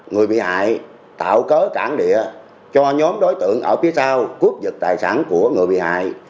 người bị hại tạo cớ cảnh địa cho nhóm đối tượng ở phía sau cướp giật tài sản của người bị hại